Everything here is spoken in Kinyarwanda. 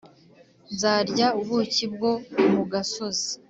nzarya ubuki bwo mu gasozi